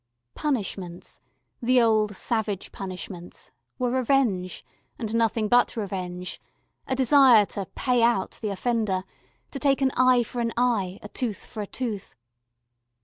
Punishments, the old savage punishments, were revenge, and nothing but revenge, a desire to "pay out" the offender, to take an eye for an eye, a tooth for a tooth.